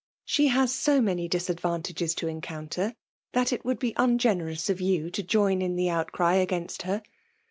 " She has so many disadvantages to encounter, that it would be ungenerous of you to join in the outcry against her.